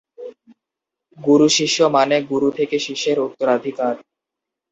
গুরু-শিষ্য মানে "গুরু থেকে শিষ্যের উত্তরাধিকার"।